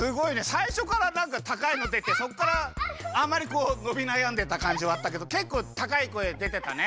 さいしょからなんかたかいのでてそっからあんまりこうのびなやんでたかんじはあったけどけっこうたかい声でてたね。